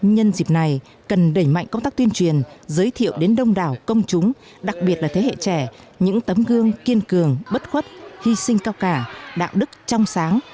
nhân dịp này cần đẩy mạnh công tác tuyên truyền giới thiệu đến đông đảo công chúng đặc biệt là thế hệ trẻ những tấm gương kiên cường bất khuất hy sinh cao cả đạo đức trong sáng